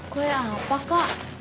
kue apa kak